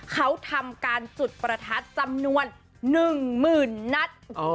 เขาทำการจุดประทัดจำนวน๑หมื่นนัตตร์